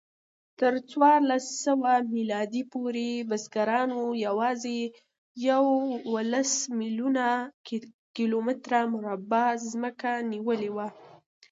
تر څوارلسسوه میلادي پورې بزګرانو یواځې یوولس میلیونه کیلومتره مربع ځمکه نیولې وه.